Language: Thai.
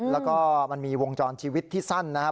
แล้วก็มันมีวงจรชีวิตที่สั้นนะครับ